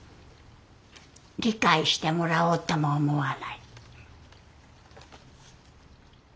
理解してもらおうとも思わない。